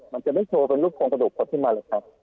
มันจะไม่โชคเป็นรูปภูมิกระดูกพบขึ้นมาหรือเปล่า